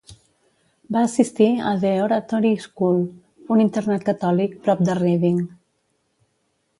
Va assistir a The Oratory School, un internat catòlic prop de Reading.